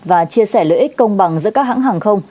và chia sẻ lợi ích công bằng giữa các hãng hàng không